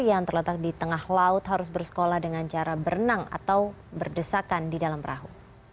yang terletak di tengah laut harus bersekolah dengan cara berenang atau berdesakan di dalam perahu